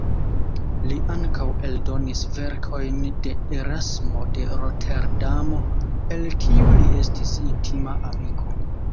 Li ankaŭ eldonis verkojn de Erasmo de Roterdamo, el kiu li estis intima amiko.